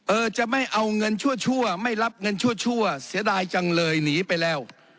เออจะไม่เอาเงินชั่วไม่รับเงินชั่วเสียดายจังเลยหนีไปแล้ว